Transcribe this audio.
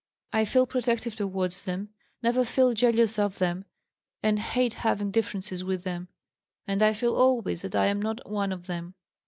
I feel protective towards them, never feel jealous of them, and hate having differences with them. And I feel always that I am not one of them.